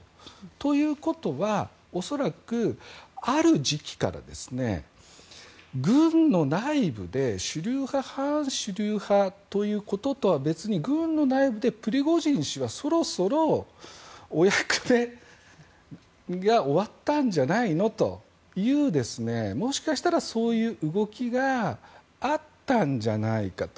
ということは恐らく、ある時期から軍の内部で主流派・反主流派ということとは別にプリゴジン氏はそろそろお役目が終わったんじゃないのというもしかしたら、そういう動きがあったんじゃないかと。